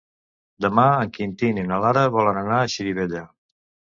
Demà en Quintí i na Lara volen anar a Xirivella.